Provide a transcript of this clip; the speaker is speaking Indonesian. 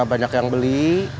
banyak yang beli